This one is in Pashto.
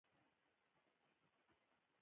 ونې د ژوند لپاره ډېرې ګټې لري.